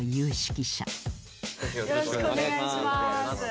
よろしくお願いします。